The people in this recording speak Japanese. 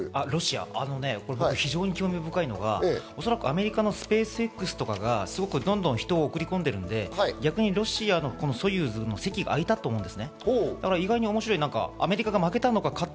興味深いのがアメリカのスペースＸとかが、どんどん人を送り込んでいるんで、逆にロシアのソユーズの席が空いたと思うんです。